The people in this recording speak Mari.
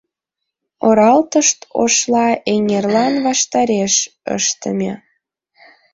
Оралтышт Ошла эҥерлан ваштареш ыштыме.